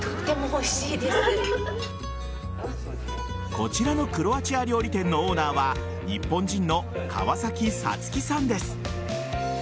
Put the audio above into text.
こちらのクロアチア料理店のオーナーは日本人の川崎幸樹さんです。